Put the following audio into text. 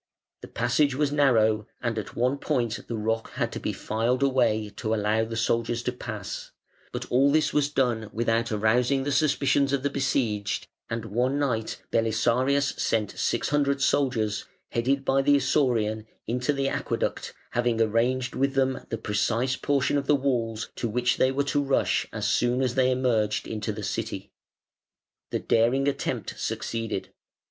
The passage was narrow, and at one point the rock had to be filed away to allow the soldiers to pass, but all this was done without arousing the suspicions of the besieged, and one night Belisarius sent six hundred soldiers, headed by the Isaurian, into the aqueduct, having arranged with them the precise portion of the walls to which they were to rush as soon as they emerged into the city. The daring attempt succeeded.